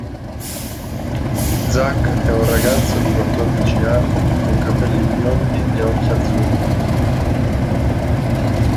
Zack è un ragazzo di quattordici anni, con capelli biondi e occhi azzurri.